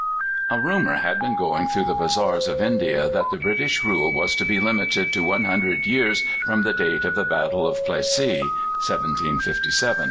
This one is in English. A rumour had been going through the bazaars of India that the British rule was to be limited to one hundred years from the date of the Battle of Plassey (1757).